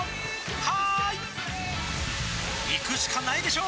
「はーい」いくしかないでしょ！